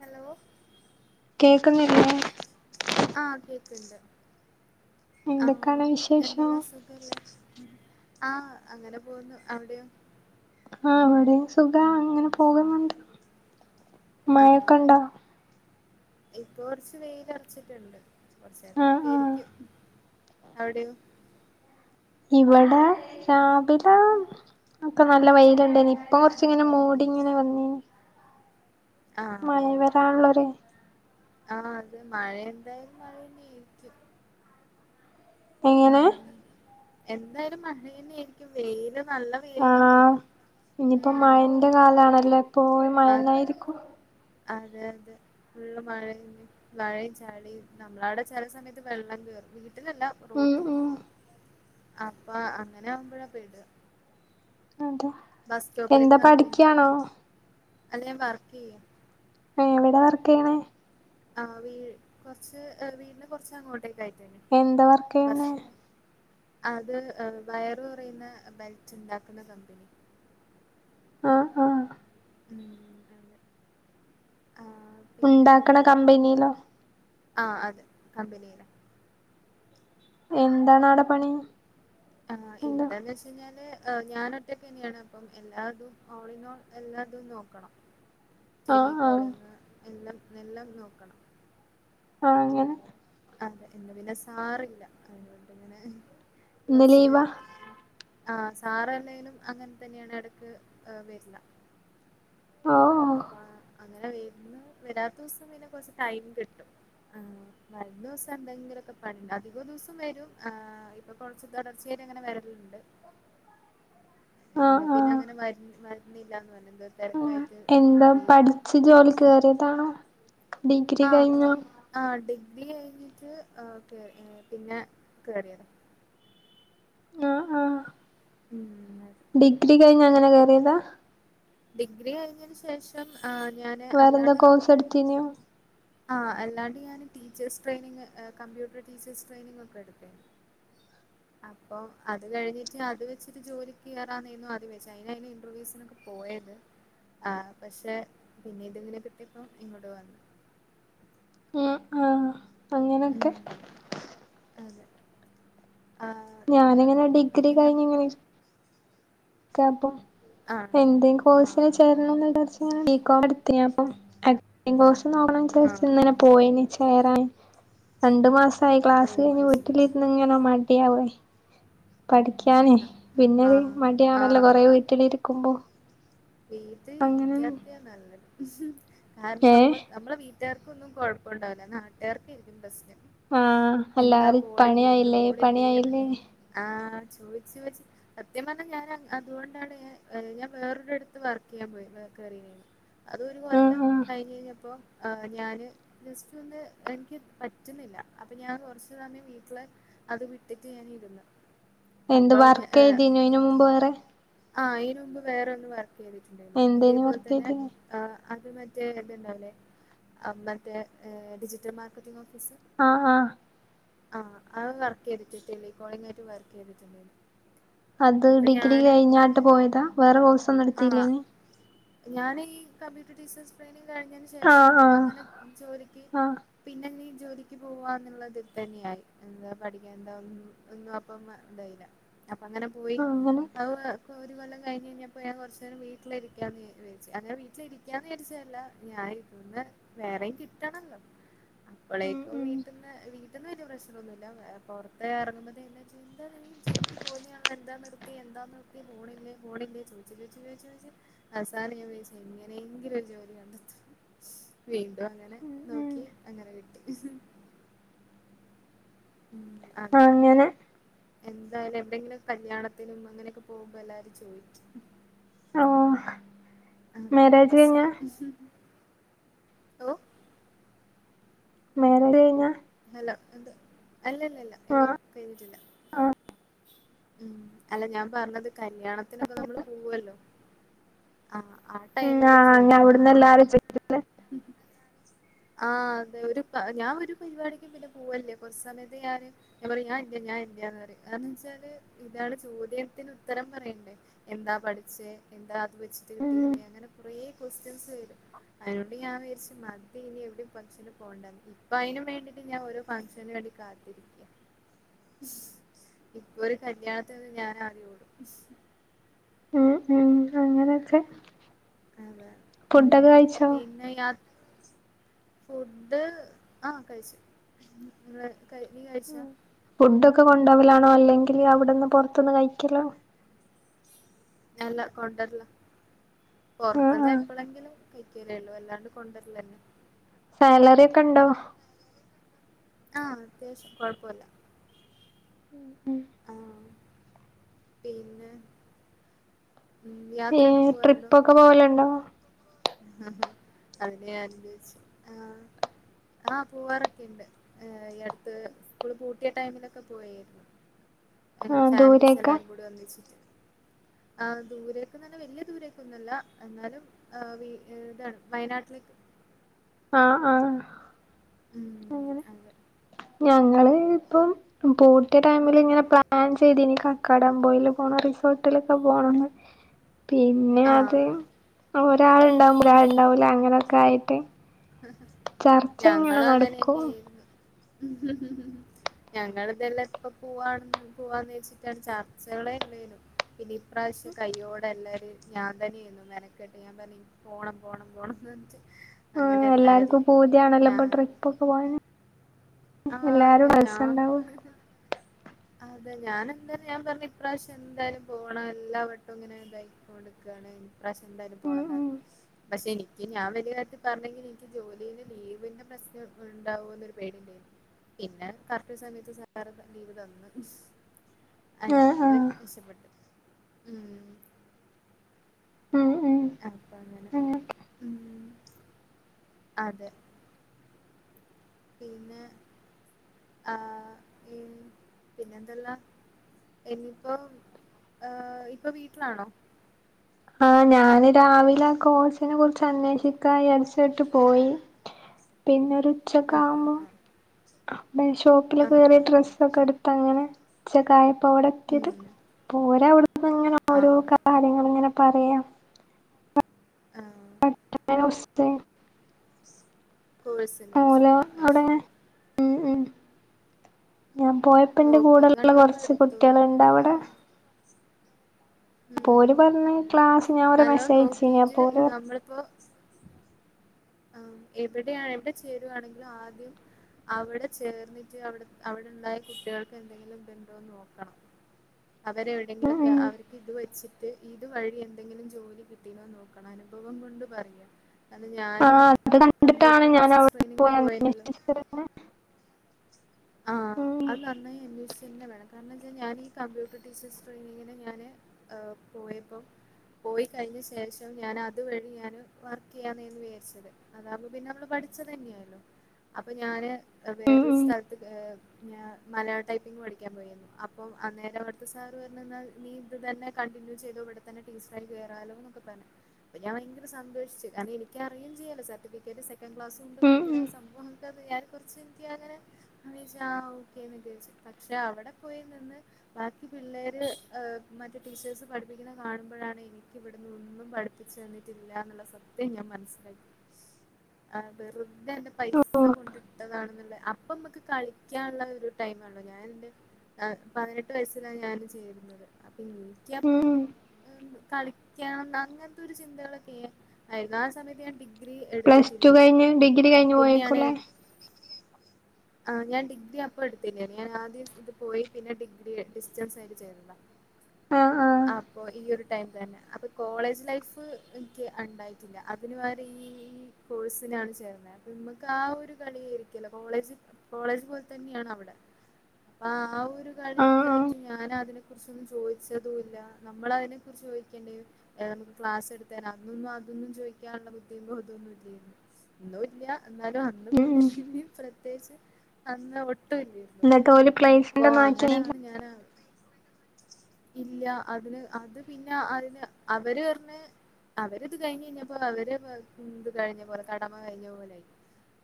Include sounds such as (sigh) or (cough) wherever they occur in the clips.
Hello കേക്കുന്നില്ലേ? ആഹ് കേക്ക്ണ്ട് ആഹ് എന്തൊക്കാണ് വിശേഷം എന്തെല്ലാ സു ഖല്ലേ? ആഹ് അങ്ങനെ പോവുന്നു. അവടെയോ? ആഹ് ഇവടിം സുഖാ അങ്ങനെ പോകുന്നുണ്ട്. മഴൊക്കെണ്ടോ? ഇപ്പോ കൊറച്ച് വെയിലറച്ചിട്ടുണ്ട്. ആഹ് ആഹ് കൊറ്ച്ചേരത്തേക്കെയിരിക്കും. അവിടെയോ? ഇവടെ രാവിലെ ക്കെ നല്ല വെയില്ണ്ടായ്ന് ഇപ്പൊ കൊറച്ച്ങ്ങനെ മൂടിങ്ങനെ വന്നീന്. ആഹ് മയ വെരാള്ളൊര് ആഹ അത് മഴ എന്തായാലും മഴന്നേയിരിക്കും. എങ്ങനെ ഉം എന്തായാലും മഴന്നെ ആയിരിക്കും വെയില് നല്ല ആഹ് വെയിലൊന്നുല്ല. ഇനിയിപ്പോ ഉം മഴന്റെ കാലാണല്ലോ എപ്പോഴും അ മഴനായിരിക്കും. അതെ അതെ ഫുള്ള് മഴയും മഴയും ചളിയും നമ്മളവിടെ ചില സമയത്ത് വെള്ളം കേറും. വീട്ടിലല്ല ഉം റോട്ടില് ഉം അപ്പ അങ്ങനെ ആവുമ്പോഴാ പെടാ എന്ത് ബസ് എന്താ പഠിക്കയാണോ? അല്ലെ ഞാൻവർക്ക് ചെയ്യ. ഏഹ് എവിടെ വർക്ക് ചെയ്യണേ? ആഹ് വീ കുറച്ച് വീട്ടിന്റെ കുറച്ച് അങ്ങോട്ടേക്ക ആയിട്ടന്നെ എന്ത് വർക്ക് ചെയ്യന്ന്? അത് വയറ് കുറയുന്ന ബെൽറ്റ് ഉണ്ടാക്കുന്ന കമ്പനി. ആഹ് ആഹ് ഉം ആ പിന്നെ ഉണ്ടാക്കണ കമ്പനിയിലോ ആഹ് അതെ കമ്പനീല് എന്താണ് അവിടെ പണി? ആഹ് എന്താ ഇവിടെന്ന് വെച്ച് കഴിഞ്ഞാല് ഞാൻ ഒറ്റക്കന്നെണ് അപ്പം എല്ലാതും ഓളിനോൾ എല്ലാതും നോക്കണം ടെലി ആഹ് ആഹ് കാളിങ്ങ് എല്ലാം എല്ലാം നോക്കണം ആഹ് അങ്ങനെ അതെ ഇന്ന് പിന്നെ സാറില്ല അതിനൊണ്ടിങ്ങനെ ഇന്ന് കൊറച്ച് ലീവാ ആഹ് സാറല്ലെങ്കിലും അങ്ങനെ തന്നെയാണ് ഇടക്ക് വരില്ല. ആഹു അപ്പ അങ്ങനെ വര്ന്നെ വരാത്ത ദിവസം പിന്നെ കുറച്ച് ടൈം കിട്ടും വരുന്ന ദിവസം എന്തെങ്കിലുമൊക്കെ പണിണ്ട് അധിക ദിവസം വരും ആ ഇപ്പൊ കുറച്ച് തുടർച്ച അങ്ങനെ വരലുണ്ട്. (inaudible) ഇന്ന് പിന്നെ അങ്ങനെ വരു വരുന്നല്ലന്ന് പറഞ്ഞ എന്തോ തെ ഉം എന്താ പഠിച്ച് ജോലിക്ക് കേറിയതാണോ ഡിഗ്രി ആഹ് കഴിഞ്ഞോ ആഹ് ഡിഗ്രി കഴിഞ്ഞിട്ട് പിന്നെ കേറിയത. ആഹ് ആഹ് ഉം ഡിഗ്രി കഴിഞ്ഞ് അങ്ങനെ കയറിയതാ? ഡിഗ്രി കഴിഞ്ഞന് ശേഷം ആ ഞാന് വേറെന്താ അല്ലാണ്ട് കോഴ്സ് എടുത്തീനോ? ആഹ് അല്ലാണ്ട് ഞാന് teachers training computer teachers training ഒക്കെ എടുത്തീന്. അപ്പൊ അത് കഴിഞ്ഞിട്ട് അത് വെച്ചിട്ട് ജോലിക്ക് കയറാന്ന് ആദ്യ വിചാരിച്ച്, അ അതിന് ഇന്റർവ്യൂസി പോയത് പക്ഷെ പിന്നെതിങ്ങനെ കിട്ടിയപ്പം ഇങ്ങോട്ട് വന്നു. ആഹ് ആഹ അങ്ങനെക്കെ. ഉം അതെ ആഹ് ഞാന് ഇയാള് ഇങ്ങനെ ഡിഗ്രി എങ്ങനെയാ കഴിഞ്ഞങ്ങനെ ഇര് രിക്കാ ഇപ്പം ആണോ എന്തേ ആഹ് കോഴ്സിന് ആഹ് ചേരണംന്ന് ആഹ് വിചാരിച്ച് ഞാൻ ബി കോം എടുത്ത് ഞാപ്പം. കോഴ്സ് (inaudible) ആഹ് ഇങ്ങനെ പോയിന് ചേരാന്. രണ്ടു മാസായി ക്ലാസ് ഓഹ് കഴിഞ്ഞ് അയ്ശരി വീട്ടിലിരുന്ന് ഇങ്ങനെ മടിയാവ പഠിക്കാനേ പിന്നെരു ആഹ് മടിയാണല്ലോ കൊറേ വീട്ടിൽ ഇരിക്കുമ്പോ. വീട്ടൽ ഇരിക്കാത്താ നല്ലത് കാരണം ഏ നമ്മ നമ്മെളവീട്ടി ഞങ്ങൾക്കൊന്നും കുഴപ്പണ്ടായില്ല നാട്ടുകാർക്കായിരി ക്കും പ്രശ്നം. ആഹ് എന്താ എല്ലാരും പോണില്ലേ ഇവള് പണിയായില്ലേ പോണില്ലേന്ന്. പണിയായില്ലേ ആഹ ചോയിച്ചു ചോയിച്ചു സത്യം പറഞ്ഞാൽ ഞാൻ അതോണ്ടാണ് ഞാൻ വേറൊ ഒരാടുത്ത് വർക്ക് യ്യാൻ പോയിനി (unintelligible) അതൊരു ആഹ് കൊല്ലം ആഹ് കഴിഞ്ഞ് ഴിഞ്ഞപ്പോ ഞാന് ജസ്റ്റ്‌ ഒന്ന് എനിക്ക് പറ്റുന്നില്ല അപ്പൊ ഞാൻ കൊറച്ചു സമയം വീട്ടില് അത് വിട്ടിട്ട് ഞാന് ഇര്ന്ന്. എന്ത് വർക്കെയ്തിനോ ഇനു മുമ്പ് വേറെ ആഹ അതിനന്ുമ്പ് വേറെ ഒന്ന് വർക്ക് യ്തിട്ടുണ്ടായിരുന്നു എന്തേനു ഇതേപോലെ വർക്ക് തന്നെ ചെയ്തീനെ അത് മറ്റേ ഇതുണ്ടാവൂലെ അഹ മറ്റേ ഡിജിറ്റൽ മാർക്കറ്റിംഗ് ഓഫീസ് ആഹ ആഹ ആഹ വർക്ക് യ്തിട്ട് ണ്ട്ടെലികോളിംഗ ആയിട്ട് വർക്ക്യ്തിട്ടുണ്ട് അത് ഡിഗ്രി കഴിഞ്ഞായിട്ട് പോയതാ വേറെ കോഴ്സ ഒന്നും ആഹ് ഇടുത്തില്ലേന് ഞാനീ കമ്പ്യൂട്ടർ ടീച്ചേഴസ് ട്രെയിനിങ് കഴിഞ്ഞതിനന് ആഹ് ശേഷം ആഹ് അങ്ങനെ ജോലിക്ക് ആഹ് പിന്നെ നീ ജോലിക്ക് പോവാന്നുള്ളതിൽ തന്നെയായി എന്താ പഠിക്കേന്താ ഒന്നും അപ്പ ഇന്തായില്ല അപ്പ അങ്ങനെ പോയി അങ്ങനെ അവ ഒരു കൊല്ലം കഴിഞ്ഞ ഴിഞ്ഞ ഇപ്പൊ ഞാൻ കുറച്ച നേരം വീട്ടിലിരിക്കാന്ന് വിരിച്ചു അൻ വീട്ടിലിരിക്കാന്ന് വിചരിച്ചല്ല ഞൻരിക്ന്ന് (unintelligible) വേറെയും കിട്ടാണല്ലോ ഉം അപ്പോളേക്കോ ഉം വീട്ടന്ന് വീട്ടന്ന് വലിയ പ്രശ്നംൊന്നുമല്ല പുറത്ത് ഇറങ്ങുമ്പോ എന്താ നീ ജോലിക്ക് പോുന്ന ആള്എന്താ നിർത്തി എന്താ നിർത്തി പോണില്ലേ പോണില്ലേ ചോ ചോ യിച്ച് ചോയിച്ച് യിച്ച് അവസാന ഞാൻി വിചാരിച്ച്എങ്ങനെയെങ്കില ഒരു ജോലി കണ്ടെത്ത അങ്ങനെ ഉം ഉം നോക്കി അങ്ങനെ കിട്ടി ഉ അതെ അങ്ങനെ എന്തായാലും എവിടെയെങ്കിലും കല്യാണത്തിനും അങ്ങനെയൊക്കെ പോകുമ്പോ എല്ലാരും ചോയി്ക്കും ഓഹ് അതാണ് മാരേജ് കഴിഞ്ഞാ പ്രശ്നം ഓ മേരുാട് കഴിഞ്ഞ അല്ല അത് അല്ലല്ലല്ല ഇല്ല പ്രേമിച്ചില്ല ആഹ ഉം അല്ല ഞാൻ പറഞ്ഞത് കല്യാണത്തിനൊക്കെ നമ്മള് പോവല്ലോ ആഹ ആ ടൈമില് ചോയ്ക്കുന്നതണത് പി ആഹ് അതെ ഒരു ഞാൻ ഒരു പരിപാടിക്കും പിന്നെ പോവലില്ല കുറച്ച് സമയത്ത് ഞാന് ഞാ പറയും ഞാൻ ഇൽയ ഞാൻ ഇൽയ പറയും കാര ണവെച്ചാല് എല്ലാരെ ചോദ്യത്തിന് ഉത്തരം പറയണ്ടേ എന്താ പഠിച്ചേ എന്താ അത് വെച്ചിട്ട് ഉം കിട്ടിയില്ലേ അങ്ങനെ കുറേ ക്വസ്റ്റ്യൻസ് വരും അതിനോണ്ട് ഞാൻ വിചരിച്ച മതി ഇനി എവിടെയും ഫംഗ്ഷന് പോേണ്ട ഇപ്പൊ അതിനന് വേണ്ടിട്ട ഞാൻ ഓ ഫംഗങ്ഷന് വേണ്ടി കാത്തിരിക്ക ഇപ്പ ഒരു കല്യാണത്തിന് ഞാൻ അറിയോടൂ ഉ ഉ അങ്ങനൊക്കെ അതെ ഉ കഴിച്ചോ പിന്നെ ഫുഡ് ആഹ കഴിച്ചു നീ കഴിച്ച ഫുഡ് ഒക്കെ കൊണ്ടാവലാണോ അല്ലെങ്കിൽ അവിടെന്ന് പുറത്തൊന്ന് കഴിക്കലോ അല്ല കൊണ്ടര്ല് ആഹ് പുറത്തന്ന് ആഹ് എപ്പഴെങ്കിലും കഴക്കലേള്ളൂ അല്ലാണ്ട് കൊണ്ടുവരലെന്നെ സാലറി ഒക്കെ ഉണ്ടോ ആഹ് അത്യാവശ്യം കുഴപ്പല്ല ഉം ആഹ് പിന്നെ ഉം യാത്രയൊക്കെ ഏഹ ട്രിപ്പൊക്കെ പോവലുണ്ടോ ആഹ അതിനെ അനുനച്ച് ആഹ ആഹ പോവാറൊക്കെുണ്ട് ഈ അടുത്ത് സ്കൂള് പൂട്ടിയ ടൈമിലൊക്കെ പോവായിരുന്നു (inaudible) അങ്ങനെ ഫാമിലീസ് ദൂരേക്കാ എല്ലാരും കൂടി ഒന്നിച്ചിട്ട് ആഹ ദൂരേക്ക തന്നെ വലിയ ദൂരേക്കൊന്നുമല്ല എന്നാലും ആഹ ഇതാണ് വയനാട്ടിലെ ആഹ ആഹ ഉം അങ്ങനെ അതെ ഞങ്ങള് ഇപ്പം പൂട്ടിയ ടൈമ ഇങ്ങനെ പ്ലാൻ ചെയ്തി കക്കാട അമ്പോയിൽ പോണം റിസോർട്ടിലൊക്കെ പോണംന്ന് പിന്നെ അത് ആഹ് ഒരാൾുണ്ടാവുമ്പോ ഉം ഒരാളണ്ടാവല അങ്ങനെയൊക്കെ ആയിട്ട്- ചർച്ച ഇങ്ങനെ ഞങ്ങളും അങ്ങനെ നടക്കും തന്നെയായിരുന്നു ഞങ്ങള ഇതെല്ലാം ഇപ്പ പോവാണ പോവാന്ന് വെദച്ചിട്ടാണ് ചർച്ചകള് തന്നേയിരുന്നു പിന്നെ ഇപ്രാവശ്യം കയോടെ എല്ലാരും ഞാൻ തന്നെയുന്നു മെനക്കെട്ട് ഞാൻ പറഞ്ഞ- പോണം പോണം പോണം ന്ന് ഞ്ഞിട്ട് ആഹ എല്ലാർക്കും പൂതിയാണല്ലോ ഇപ്പൊ ട്രിപ്പ ഒക്കെ പോകാന് ആ എല്ലാരും അതെ രസുണ്ടാവും ഞാൻ അതെ ഞാൻ എന്തായാലും ഞാൻ പറ ഇപ്രാവശ്യം എന്തായാലും പോകണം എല്ലാവ വട്ടവും ഇങ്ങനെതായി- ടുക്കാണ് പ്രശ്നിണ്ടാക്കി ഉം പോണം ന്ന് പറഞ്ഞ് ഉം പക്ഷെ എനിക്ക് ഞാൻ വലിയായിട്ട് പറഞ്ഞെങ്കിൽ എനിക്ക് ജോലിടെ ലീവിന്റെ പ്രശ്നം ഉണ്ടാവോ എന്നൊരു പേടിണ്ടേരുന്നു പിന്നെ കറക്ട് സമയത്ത് സാർ ലീവ് തന്നു ആഹ് അങ്ങനെ ആഹ് രക്ഷപ്പെട്ടു ഉം ഉം ഉം അപ്പങ്ങനെ അങ്ങനൊക്കെ ഉം അതെ പിന്നെ ആഹ ഈ പിന്നെന്തെല്ലാം എന്നിപ്പം ഏഹ ഇപ്പം വീട്ടിലാണോ ആഹ ഞാന് രാവിലെ കോഴ്സിനെ കുറിച്ച് അന്വേഷിക്കായാര്ച്ചാട്ട് പോയി പിന്നൊരു ആഹ് ഉച്ചക്കാവുമ്പം ആഹ് അപ്പം ഈ ആഹ് ഷോപ്പിലൊക്കെ കേറി ആഹ് ആഹ് ആഹ് ഡ്രസ്സൊക്കെ ഇട്ത്തങ്ങനെ ഉച്ചക്കായ പ്പാ ഇവടെ എത്ത്യേത് ഉം അപ്പോല് അവടെന്നങ്ങനെ ഓരോ ആഹ് കാര്യങ്ങള്ങ്ങനെ പറയാ ആഹ (unintelligible) കോഴ്സ് ഓല് ലോട്സിട്ട് അത് അവുടെങ്ങനെ ശരി ഉം ഉം ഞാൻ പോയ പ്പന്റെ നോക്കി കൂടെള്ള കണ്ടൊക്കെ കൊറച്ച് എടുത്തു കുട്ടേള്ണ്ട് അവടെ ആഹ് ഉം അപ്പോല് പറഞ്ഞ് ക്ലാസ് ഞാൻ ഓലെ നല്ലോ മെസേജയച്ചീനി നോക്കിട്ട് അപ്പോല് നമ്മളിപ്പോ ആഹ എവിട്യാ എവടെ ചേരുവാണെങ്കിലും ആദ്യം അവടെ ചേർന്നിട്ട് അവടെ അവടെണ്ടായ കുട്ടേൾക്ക് എന്തെങ്കിലും ബന്ധോ നോക്കണം അവരെ ഉം എവിടെങ്കിലൊക്കെ ഉം അവര്ക്ക് ഇത് വെച്ചിട്ട് ഇതുവഴി എന്തെങ്കിലും ജോലി കിട്ടീനോ നോക്കണം അനുഭവം കൊണ്ട് പറയാ അത് ഞാന് ആഹ് അത് കണ്ടിട്ടാണ് കമ്പ്യൂട്ടർ ടീച്ചേഴ്സ് ഞാനവിടെ ട്രെയിനിങ്ങിന് പോയി പോയനല്ലോ അന്വേഷിച്ചതെന്നെ ആഹ അത് നന്നായി അന്വേഷിച്ചെന്നെ വേണം കാരണം വെച്ചാ ഞാനീ കമ്പ്യൂട്ടർ ടീച്ചേഴ്സ് ട്രെയിനിങ്ങിന് ഞാന് ഏഹ പോയപ്പം പോയി കഴിഞ്ഞ ശേഷം ഞാൻ അതുവഴി ഞാന് വർക്കെയ്യാന്നേനി വിചാരിച്ചത് അതാവുമ്പം പിന്നെ നമ്മള് പഠിച്ചത് തന്നെയാല്ലോ അപ്പം ഞാന് ഉം വേറൊരു സ്ഥലത്ത് ഏഹ് ഞാ മലയാള ടൈപ്പിംഗ് പഠിയ്ക്കാൻ പോയിരുന്നു അപ്പം അന്നേരം അവട്ത്തെ സാറ് പറഞ്ഞ് ഇന്നാ നീ ഇത് തന്നെ കണ്ടിന്യൂ ചെയ്തൊ ഇവടെ തന്നെ ടീച്ചറായി കേറാലോന്നൊക്കെ പറഞ്ഞ് അപ്പം ഞാൻ ഭയങ്കര സന്തോഷിച്ച് കാരണം എനിയ്ക്കറിയും ചെയ്യാല്ലോ സർട്ടിഫിക്കറ്റ് സെ ക്കൻ്റ് ക്ലാസൂണ്ട് ഉം ഭയങ്കര ഉം സംഭവാക്കാന്ന് വിചാരിച്ച് (unintelligible) കൊറച്ച് ഇൻക്ക് അങ്ങനെ ഞാൻ വിചാരിച്ച് ആഹ് ഓക്കേന്ന് വിചാരിച്ച് പക്ഷേ അവടെ പോയി നിന്ന് ബാക്കി പിള്ളേര് ഏഹ് മറ്റ് ടീച്ചേഴ്സ് പഠിപ്പിയ്ക്ക്ണെ കാണുമ്പഴാണ് എനി ക്കിവടന്നൊന്നും പഠിപ്പിച്ചു തന്നിട്ടില്ല എന്നുള്ള സത്യം ഞാൻ മനസ്സിലാ (inaudible) ആഹ് വെറുതെ എന്റെ പൈസ കൊണ്ടിട്ടതാണെന്ന്ള്ളെ അപ്പമ്മക്ക് കളിക്ക്യാള്ള ഒരു ടൈമാണോ ഞാനെന്റെ പതിനെട്ട് വയസ്സിലാണ് ഞാന് ചേരുന്നത് അപ്പം ഉം ഇൻക്കപ്പോ ഉം ഏഹ് കളിക്കണം അങ്ങൻത്തെ ഒരു ചിന്തകളക്കേ ആരുന്നു ആ സമയത്ത് ഞാൻ ഡി ഡിഗ്രി പ്ലസ് ടു എടുത്തിട്ടില്ലേരുന്നു കഴിഞ്ഞ് ഡിഗ്രി കഴിഞ്ഞ് പിന്നെയാണ് പോയേക്കൂല്ലേ ആഹ് ഞാൻ ഡിഗ്രി അപ്പം എടുത്തില്ലേനി ഞാൻ ആദ്യം ഇത് പോയി പിന്നെ ഡിഗ്രി ഡിസ്റ്റൻസ് ആയിട്ട് ചേർന്നു ആഹ് പോയി ഈ ഒരു ടൈമ് തന്നെ അപ്പോ കോളേജ് ലൈഫ് എനിക്ക് ഒണ്ടായിട്ടില്ല അതിന് പകരം ഈഹ് കോഴ്സിനാണ് ചേർന്നത് അപ്പോ നമ്മക്ക് ആ ഒരു കളിയായിരിക്കല്ലോ കോളേജിൽ കോളേജ് പോലെ തന്നെയാണ് അവടെ ആഹ്‌ ആ ഒരു കളി ആഹ് ആഹ് ഇതായിട്ട് ഞാൻ അതിനെ കുറിച്ചൊന്നും ചോദിച്ചതുവില്ല നമ്മളതിനെ കുറിച്ച് ചോ ക്കണ്ട് നമുക്ക് ക്ലാസ് എടുത്ത അന്നും അതൊന്നും ചോദിക്കാനുള്ള ബുദ്ധിയൊന്നും അതൊന്നും ഇല്ലേരുന്നു ഇന്നും ഇല്ല എന്നാലും അന്ന് ഉം ഉം പ്രത്യേകിച്ച് അന്ന് ഒട്ടുവില്ലേരുന്നു എന്നിട്ട് ഓല് അപ്പോ പ്ലേസ്മെന്റ് ഒന്നും ആക്കിയില്ല അങ്ങനാണ് ഞാന് ഇല്ല അതിന് അത് പിന്നെ അതിന് അവര് പറഞ്ഞ് അവരിത് കഴിഞ്ഞ് കഴിഞ്ഞപ്പോ അവര് ഇത് കഴിഞ്ഞ പോലെ കടമ കഴിഞ്ഞ പോലായി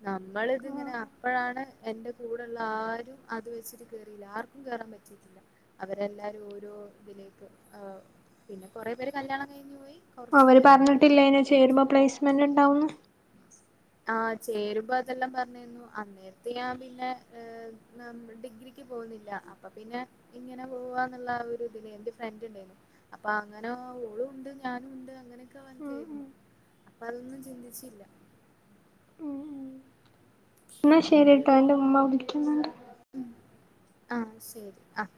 നമ്മളിതിങ്ങനെ അപ്പഴാണ് എന്റെ കൂടെള്ള ആരും അത് വെച്ചിട്ട് കേറില്ല ആർക്കും കേറാൻ പറ്റിട്ടില്ല അവരെല്ലാരും ഓരോ ഇതിലേക്ക് ആഹ് പിന്നെ കൊറെ പേര് കല്യാണം കഴിഞ്ഞു പോയി കൊറച്ചു അവര് പേരൊക്കെ ഇങ്ങനെ പറഞ്ഞിട്ടില്ലേനു ഇതായിട്ട് ചേരുമ്പോ പ്ലേസ്മെന്റ് ഇണ്ടാവുന്ന് ആഹ് ചേരുമ്പോ അതെല്ലാം പറഞ്ഞിരുന്നു അന്നേ ത്തെ ഞാൻ പിന്നെ ഏഹ് ഡിഗ്രിക്ക് പോകുന്നില്ല അപ്പ പിന്നെ ഇങ്ങനെ പോവാന്നുള്ള ആ ഒരു ഇതില് എന്റെ ഫ്രണ്ട് ഇണ്ടായിന്നു അപ്പ അങ്ങനോ ഓളുവോണ്ട് ഞാനും ഉണ്ട് അങ്ങനെയൊക്കെ (unintelligible) ഉം ഉം ചേരുന്നു അപ്പ അതൊന്നും ചിന്തിച്ചില്ല. ഉം ഉം എന്നാ ശെരി ട്ടോ എന്റെ ഉമ്മ വിളിക്കുന്നോണ്ട് ഉം ആഹ് ശെരി ആഹ്